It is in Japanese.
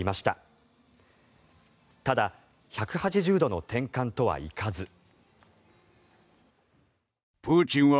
ただ１８０度の転換とはいかず。